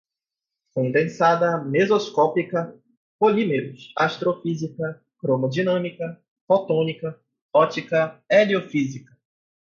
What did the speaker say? condensada, mesoscópica, polímeros, astrofísica, cromodinâmica, fotônica, ótica, heliofísica